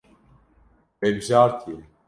We bijartiye.